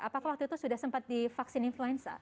apakah waktu itu sudah sempat divaksin influenza